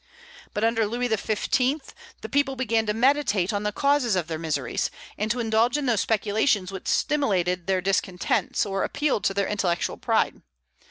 But under Louis XV. the people began to meditate on the causes of their miseries, and to indulge in those speculations which stimulated their discontents or appealed to their intellectual pride.